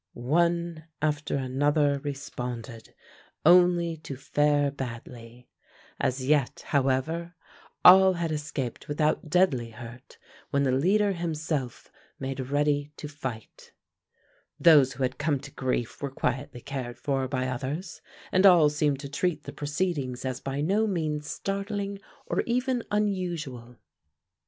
One after another responded, only to fare badly. As yet, however, all had escaped without deadly hurt, when the leader himself made ready to fight. Those who had come to grief were quietly cared for by others, and all seemed to treat the proceedings as by no means startling or even unusual.